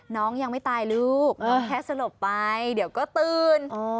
น้องยังไม่ตายลูกน้องแค่สลบไปเดี๋ยวก็ตื่น